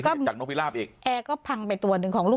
โดยกลางกลาง